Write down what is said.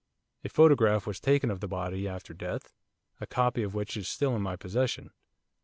A photograph was taken of the body after death, a copy of which is still in my possession.